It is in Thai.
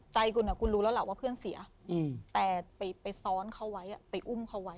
ใจคุณคุณรู้แล้วล่ะว่าเพื่อนเสียแต่ไปซ้อนเขาไว้ไปอุ้มเขาไว้